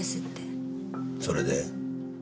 それで？